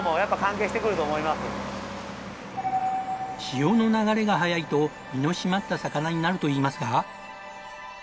潮の流れが速いと身の締まった魚になるといいますが。